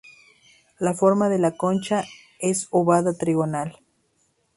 La forma de la concha es ovada trigonal.